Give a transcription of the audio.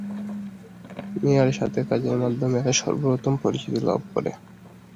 মিয়ার সাথে কাজের মাধ্যমে এরা সর্বপ্রথম পরিচিতি লাভ করে।